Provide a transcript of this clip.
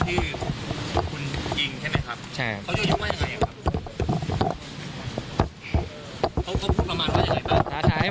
รูปอะไรครับส่งรูปอะไรครับ